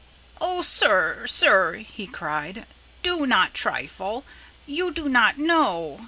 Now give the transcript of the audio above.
"Oh! sir, sir," he cried. "Do not trifle. You do not know.